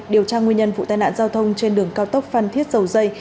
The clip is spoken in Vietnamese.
điều tra nguyên nhân vụ tai nạn giao thông trên đường cao tốc phan thiết dầu dây